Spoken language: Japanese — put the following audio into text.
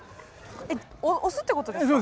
えっ押すって事ですか？